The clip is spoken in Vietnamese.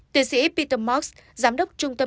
tiến sĩ peter marks giám đốc trung tâm